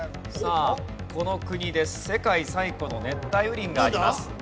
さあこの国で世界最古の熱帯雨林があります。